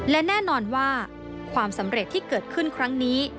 และแน่นอนว่าความสำเร็จที่เกิดขึ้นครั้งนี้